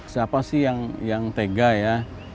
siapa sih yang tega ya